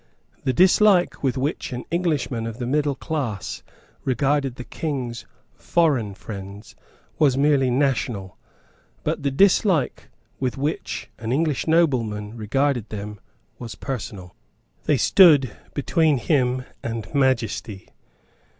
The dislike with which an Englishman of the middle class regarded the King's foreign friends was merely national. But the dislike with which an English nobleman regarded them was personal. They stood between him and Majesty.